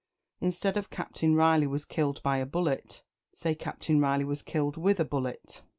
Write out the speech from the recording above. Instead of "Captain Reilly was killed by a bullet," say "Captain Reilly was killed with a bullet."